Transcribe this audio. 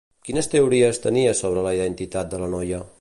Quines teories tenia sobre la identitat de la noia?